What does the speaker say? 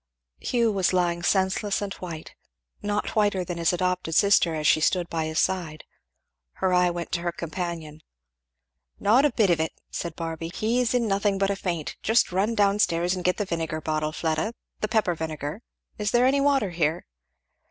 Hugh was lying senseless and white; not whiter than his adopted sister as she stood by his side. Her eye went to her companion. "Not a bit of it!" said Barby "he's in nothing but a faint just run down stairs and get the vinegar bottle, Fleda the pepper vinegar. Is there any water here?